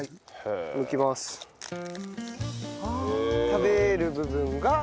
食べる部分がこれ？